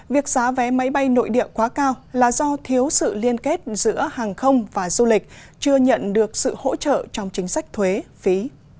việc giá vé máy bay nội địa quá cao là do thiếu sự liên kết giữa hàng không và du lịch chưa nhận được sự hỗ trợ trong chính sách thuế phí